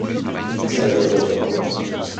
Il ne savait que répondre.